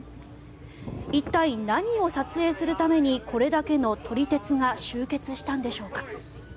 一体、何を撮影するためにこれだけの撮り鉄が集結したんでしょうか。